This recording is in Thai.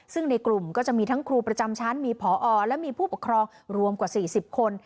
ซึ่งในกลุ่มก็จะมีทั้งครูประจำชั้นมีพอและมีผู้ปกครองรวมกว่า๔๐คน